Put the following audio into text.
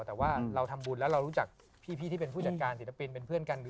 แต่ว่าเราทำบุญแล้วเรารู้จักพี่ที่เป็นผู้จัดการศิลปินเป็นเพื่อนกัน